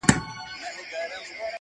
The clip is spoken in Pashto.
ښه خواږه لکه ګلان داسي ښایسته وه.